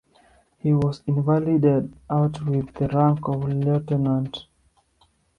He was invalided out with the rank of Lieutenant.